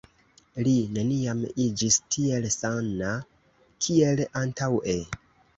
Li neniam iĝis tiel sana kiel antaŭe.